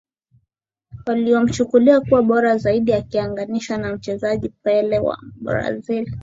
Wanaomchukulia kuwa bora zaidi akilinganishwa na mchezaji Pele wa Brazil